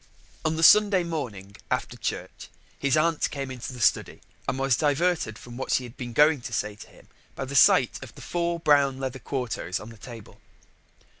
On the Sunday morning, after church, his aunt came into the study and was diverted from what she had been going to say to him by the sight of the four brown leather quartos on the table.